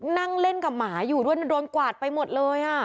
นั่งเล่นกับหมาอยู่ด้วยมันโดนกวาดไปหมดเลย